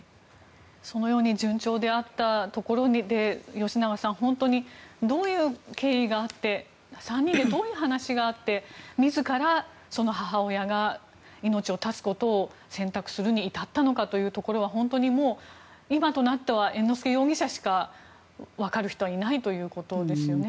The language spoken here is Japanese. そのように順調にあったところで吉永さん、どういう経緯があって３人でどういう話があって自ら母親が命を絶つことを選択するに至ったのかというのは本当にもう今となっては猿之助容疑者しかわかる人はいないということですよね。